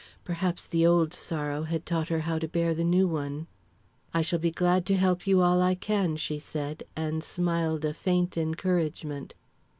Perhaps the old sorrow had taught her how to bear the new one. "I shall be glad to help you all I can," she said, and smiled a faint encouragement.